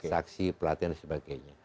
saksi pelatihan dan sebagainya